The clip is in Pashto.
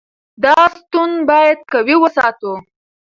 دا ستون باید قوي وساتو.